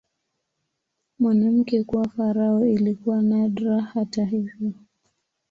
Mwanamke kuwa farao ilikuwa nadra, hata hivyo.